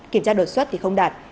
kiểm tra đột xuất thì không đạt